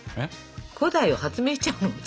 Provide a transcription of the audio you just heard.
古代を発明しちゃうの？